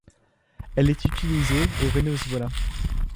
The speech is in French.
Elle est utilisée au Venezuela.